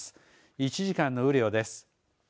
１時間の雨量です。